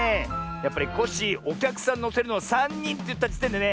やっぱりコッシーおきゃくさんのせるのはさんにんっていったじてんでね